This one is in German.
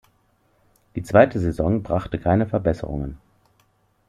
Die zweite Saison brachte keine Verbesserungen.